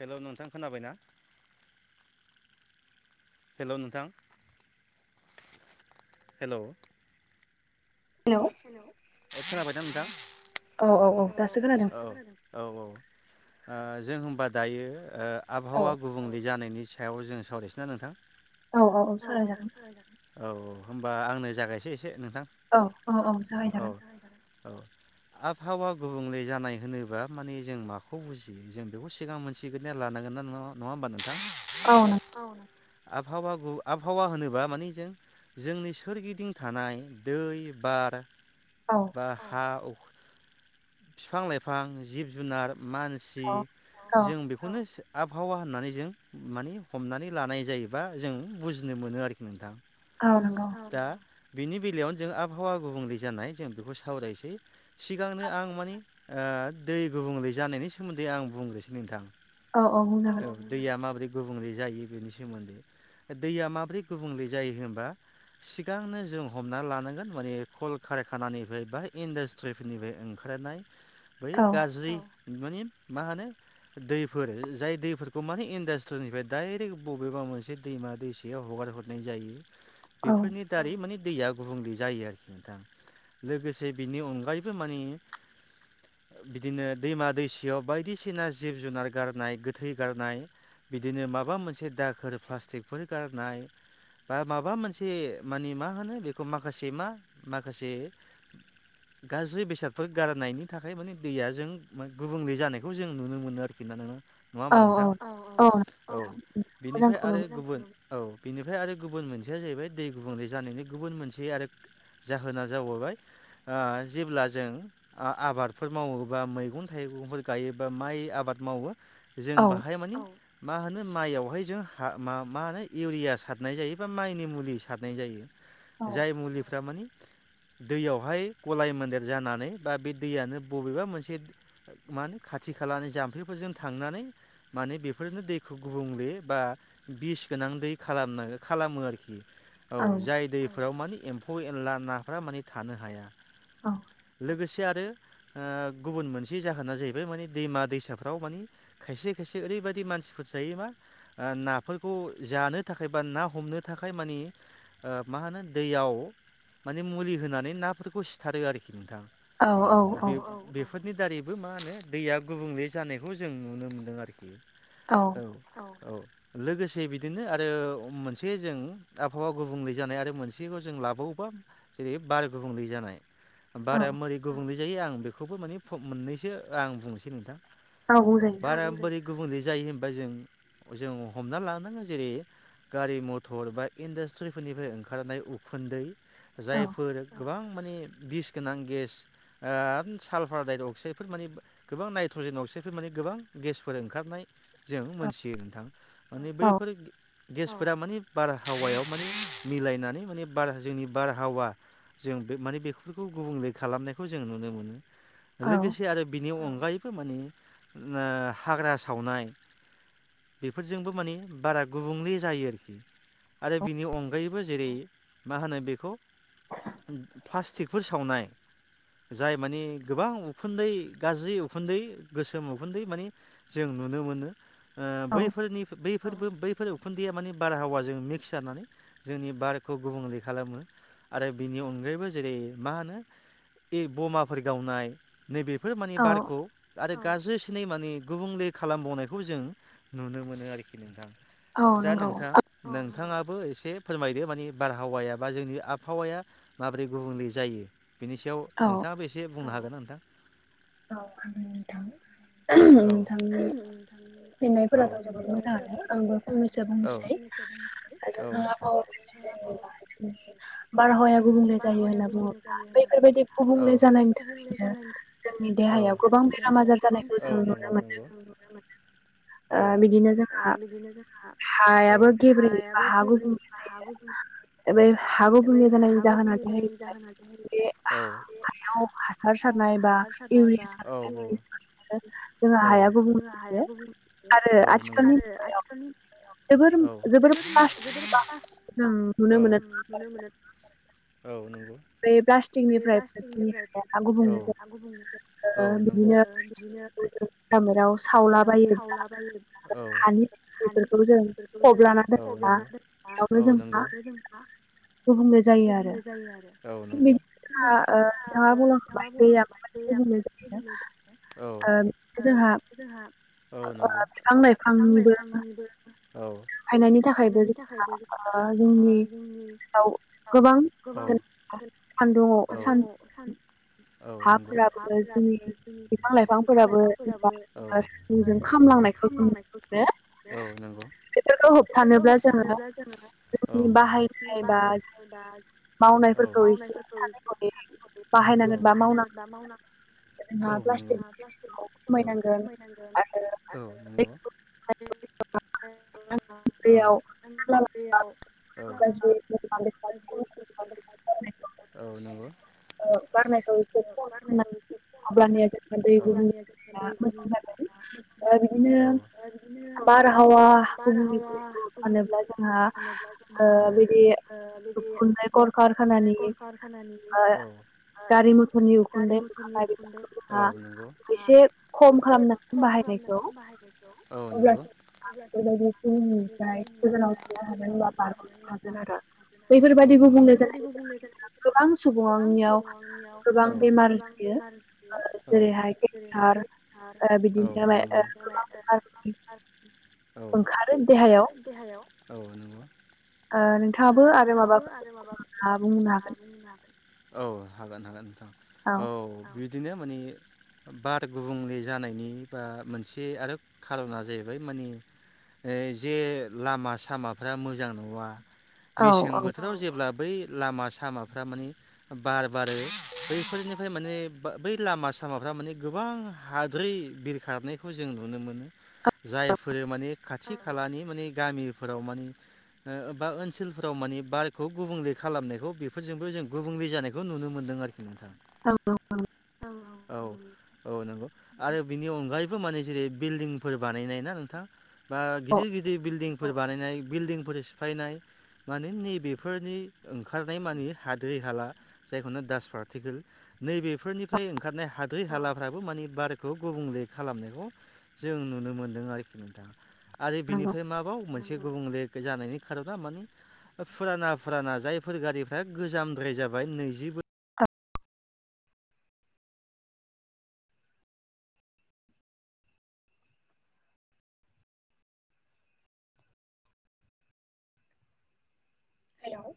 हेल' नोंथां खोनाबायना हेल' नोंथां हेलौ हेलौ खोनाबाय दा नोथां औ औ औ दासो खोनादों ओ जों होनबा दायो ओ आबहावा गुबुंले जानायनि सायाव जों सावरायनोसै ना नोंथां औ औ सावराय जागोन होनबा आंनो जागायनोसै एसे नोंथां औ औ जागाय जागोन औ आबहावा गुबुंले जानाय होनोबा मानि जों माखौ बुजियो जों बेखौ सिगां मोनथिग्रोना लानां नङा होमबा नोंथां औ नंगौ आबहावा आबहावा होनोब्ला मानि जों जोंनि सोरगिदिं थानाय दै बार बा हा फिफां लाइफां जिब जुनार मानसि जों बेखौनो आबहावा होननानै जों माने हमनानै लानाय जायोबा जों बुजिनो मोनो आरोखि नोंथां औ नंगौ बिनि बेलायावनो जों आबहावा गुबुंले जानाय जों बेखौ सावरायनोसै सिगांनो आं मानि ओ दै गुबुंले जानायनि सोमोन्दै आं बुंग्रोनोसै नोंथां औ औ दैया माबोरै गुबुंले जायो बेनि सोमोन्दै दैया माब्रै गुबुंले जायो होनबा सिगांनो जों हमना लानांगोन मानि कल कारखानानिफ्राय बा इन्डासट्रिफोरनिफ्राय ओंखारनाय बै गाज्रि माने मा होनो दैफोर जाय दैफोरखौ माने इन्डासट्रिनिफ्राय डाइरेक बबेबा मोनसे दैमा दैसायाव हगार हरनाय जायो बेफोरनि दारै मानि दैया गुबुंले जायो आरोखि नोथां लोगोसे बिनि अनगायैबो मानि बिदिनो दैमा दैसायाव बायदिसिना जिब जुनार गारनाय गोथै गारनाय बिदिनो माबा मोनसे दाखोर प्लासटिकफोर गारनाय बा माबा मोनसे मानि मा होनो बेखौ माखासे मा माखासे गाज्रि बेसादफोर गारनायनि थाखाय मानि दैया जों गुबुंले जानायखौ जों नुनो मोनो आरोखि ना नों नङा होमबा नोंथां औ औ औ बिनिफ्राय आरो गुबुन औ बेनिफाय आरो गुबुन मोनसेया जाहैबाय दै गुबुंले जानायनि गुबुन मोनसे आरो जाहोना जाबोबाय ओ जेब्ला जों आबादफोर मावोबा मैगं थाइगं सुबुंफोर गायोबा माइ आबाद मावो जों बाहाय मानि मा होनो माइआव हाय जों हा मा माहोनो इउरिआ सारनाय जायो बा माइनि मुलि सारनाय जायो जाय मुलिफ्रा मानि दैयाव हाय गलाय मोनदेर जानानै बा बे दैयानो बबेबा मोनसे मा खाथि खालानि जामफैफोरजों थांनानै मानि बेफोरनो दैखौ गुबुंले बा बिस गोनां दै खालामना खालामो आरोखि औ जाय दैफोराव मानि एम्फौ एनला नाफोरा माने थानो हाया औ लोगोसे आरो ओ गुबुन मोनसे जाहोना जाहैबाय मानि दैमा दैसाफ्राव माने खायसे खायसे ओरै बायदि मानसिफोर जायो मा नाफोरखौ जानो थाखाय बा ना हमनो थाखाय मानि ओ मा होनो दैयाव माने मुलि होनानै नाफोरखौ सिथारो आरोखि नोंथां। औ औ औ नि दारैबो मा होनो दैया गुबुंले जानायखौ जों नुनो मोनदों आरोखि औ औ। औ लोगोसे बिदिनो आरो मोनसे जों आबहावा गुबुंले जानाय आरो मोनसेखौ जों लाबावोबा जेरै बार गुबुंले जानाय। बारा मोरै गुबुंले जायो आं बेखौबो माने [unintelligible] मोननैसो आं बुंनोसै नोंथां। बारा बोरै गुबुंले जायो होनबा जों जों हमना [unintelligible] जेरै गारि मथर बा इन्डास्ट्रिफोरनिफ्राय ओंखारनाय उखुन्दै जायफोर गोबां माने बिस गोनां गेस ओ साल्फारदडाइ अक्साइदफोर माने गोबां ननायट्रजेन अक साइडफोर माने गोबां गेसफोर ओंखारनाय जों मोनथियो नोंथां माने बैफोर गेसफोरा माने बारा बारहावायाव माने मिलायनानै माने बार जोंनि बारहावा जों बे माने बेफोरखौ गुबुंले खालामनायखौ जों नुनो मोनो लोगोसे आरो बिनि अन गायैबो माने ओ हाग्रा सावनाय बेफोरजोंबो माने बारा गुबुंले जायो आरोखि। आरो बिनि अनगायैबो जेरै मा होनो बेखौ प्लास्टिक फोर सावनाय जाय माने गोबां उखुन्दै गाज्रि उखुन्दै गोसोम उखुन्दै माने जों नुनो मोनो ओ बैफोरनि बफोरबो बैफोर उखुन्दैया माने बार हावाजों मिक्स [inaudible] जानानै जोंनि बारखौ गुबुंले खालामो। आरो बिनि अनगायैबो जेरै मा होनो बे बमाफोर गावनाय नैबे बो माने बारखौ आरो गाज्रिसिनै माने गुबुंले खालामबावनायखौ जों नुनो मोनो आरोखि नोंथां। दा नोंथां नों नोंथाङाबो एसे फोरमायदो माने बारहावाया बा जोंनि आबहावाया माबोरै गुबुंले जायो? बेनि सायाव नोंथाङाबो एसे बुंनो हागोन ना नोंथां? औ हागोन नोंथां नोंथांनि फिरनायफोराथ' जोबोद मोजाङानो आंबो फंनैसो बुंनोसै आरो आबहावा [inaudible] बारहावाया गुबुंले जायो होनना बुङोब्ला औ [inaudible] औ [inaudible] औ नंगौ नंगौ ओ बिदिनो जोंहा, हायाबो गेब्रेयो हायाबो गेब्रेयो हायाबो औ [inaudible] औ हायाव हासार सारनाय बा [inaudible] औ औ औ [inaudible] औ नंगौ [inaudible] जोबोर जोबोर पास्ट [inaudible] औ [inaudible] बे प्लास्टिकनिफ्रायबो जोंनि हाया गुबुंले जायो। औ नंगौ [inaudible] औ [inaudible] औ नंगौ [inaudible] औ नंगौ [inaudible] [inaudible] औ नंगौ [inaudible] [inaudible] औ [inaudible] औ नंगौ [inaudible] औ दानफायनायनि थाखायबो [inaudible] औ सान्दुङाव सान औ नंगौ [inaudible] औ खामलांनायखौ जों नुनो मोनो। बेफोरखौ होबथानोब्ला जों औ। मावनायफोरखौ एसे [inaudible] बाहायनांगोन बाहायनांगोन बा मावनांगोन। औ नंगौ औ औ नंगौ। औ। औ। औ नंगौ। औ। गारनायखौ एसे खम खालाम नांगोन अब्लानिया जों दै गुुंबुंले जानाया मोजां जागोन। ओ बिदिनो बारहावा गुबुंलेखौ होबथानोब्ला जोंहा औ। गारि फोरनि उखुन्दै ओंखारनाय बेफोरखौ जोंहा एसे खम खालामनांगोन जोंहा बाहायनायखौ। औ नंगौ। हागोन आरो। बैफोरबायदि गुबुंले जानायनि थाखाय जोंहा गोबां गोबां सुबुंनियाव औ औ औ नंगौ। औ औ नंगौ। ओ नोंथाङाबो आरो माबाफोर बुङोब्ला बुंनो हागोन। औ हागोन हागोन नोंथां। औ बिदिनो माने बार गुबुंले जानायनि बा मोनसे आरो खार'ना जाहैबाय माने ओइ जे लामा सामाफ्रा मोजां नङा मेसें बोथोराव जेब्ला बै लामा सामाफ्रा माने बार बारो बैफोरनिफ्राय माने बै लामा सामाफ्रा माने गोबां हाद्रै बिरखारनायखौ जों नुनो मोनो जायफोरो माने खाथि खालानि माने गामिफोराव माने ओ बा ओनसोलफोराव माने बारखौ गुबुंले खालामनायखौ बेफोरजोंबो जों गुबुंले जानायखौ नुनो मोनदों आरोखि। औ औ नंगौ आरो बिनि अनगायैबो माने जेरै बिल्डिंफोर बानायनाय ना नोंथां बा गिदिर गिदिर बिल्डिंफोर बानायनाय बिल्डिं [unintelligible] सिफायनाय माने नैबेफोरनि ओंखारनाय माने हाद्रि हाला जायखौ होनो दासपार्ट आथिखाल नैबेफोरनिफ्राय ओंखारनाय हाद्रि हालाफ्राबो माने बारखौ गुबुंले खालामनायखौ जों नुनो मोनदों आरोखि नोंथां आरो बिनिफ्राय माबाव मोनसे गुबुंले जानायनि खार'ना माने ओ फुराना फुराना जायफोर गारिफ्रा गोजामद्राय जा बाय नैजि बो हेल'?